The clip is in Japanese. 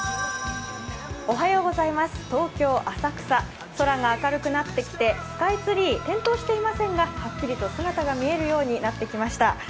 東京・浅草空が明るくなってきてスカイツリー点灯していませんがはっきりと姿が見えるようになってきました。